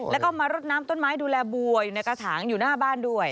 แล้วก็มารดน้ำต้นไม้ดูแลบัวอยู่ในกระถางอยู่หน้าบ้านด้วย